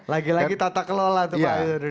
lagi lagi tata kelola tuh pak